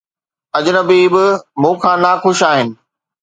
اجنبي به مون کان ناخوش آهن